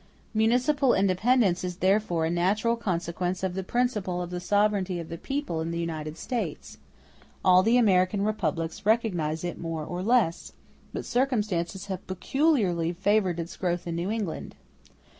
Municipal independence is therefore a natural consequence of the principle of the sovereignty of the people in the United States: all the American republics recognize it more or less; but circumstances have peculiarly favored its growth in New England.